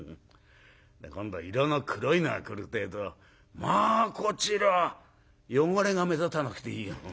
今度色の黒いのが来るってえと「まあこちら汚れが目立たなくていいよ」。